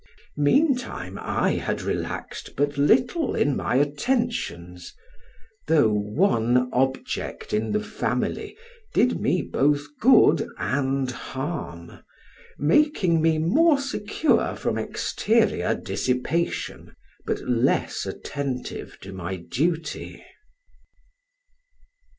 Meantime I had relaxed but little in my attentions, though one object in the family did me both good and harm, making me more secure from exterior dissipation, but less attentive to my duty.